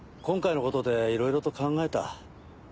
今回のことでいろいろと考えた。